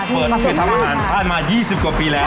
เปิดคือทำอาหารผ่านมา๒๐กว่าปีแล้ว